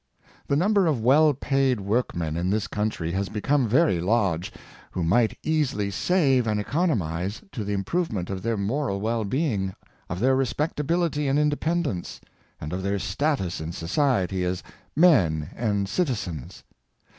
The number of well paid workmen in this country has become very large, who might easily save and economize, to the improvement of their moral well being, of their respectability and independence, and of their status in society as men and citizens.